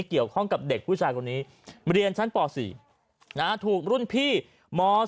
เกี่ยวข้องกับเด็กผู้ชายคนนี้เรียนชั้นป๔ถูกรุ่นพี่ม๔